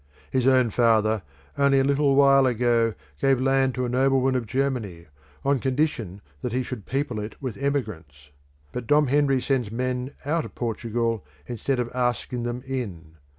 His own father, only a little while ago, gave land to a nobleman of Germany, on condition that he should people it with emigrants. But Dom Henry sends men out of Portugal instead of asking them in.